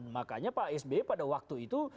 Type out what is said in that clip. makanya pak sby pada waktu itu